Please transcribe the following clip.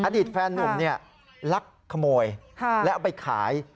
อดีตแฟนนุ่มลักขโมยแล้วเอาไปขาย